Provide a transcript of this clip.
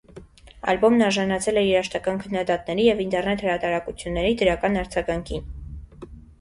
Ալբոմն արժանացել է երաժշտական քննադատների և ինտերնետ հրատարակությունների դրական արձագանքին։